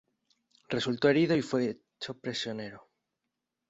Resultó herido y fue hecho prisionero.